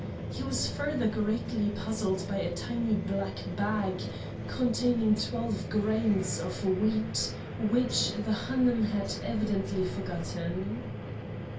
He was further greatly puzzled by a tiny black bag containing twelve grains of wheat, which the Hanoum had evidently forgotten.